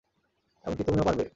এমনকি তুমিও পারবে।